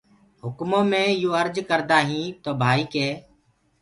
هُڪمو مي يو ارج ڪردآ هينٚ تو ڀآئي ڪي۔